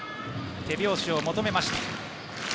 手拍子を求めました。